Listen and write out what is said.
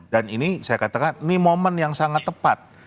dan ini saya katakan ini momen yang sangat tepat